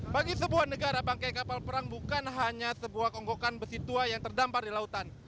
bagi sebuah negara bangkai kapal perang bukan hanya sebuah konggokan besi tua yang terdampar di lautan